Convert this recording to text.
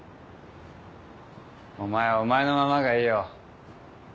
お前はお前のままがいいよ。